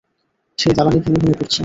সেই দালানই ভেঙে ভেঙে পড়ছে।